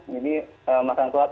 jadi masyarakat khusus